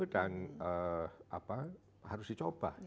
dan apa harus dicoba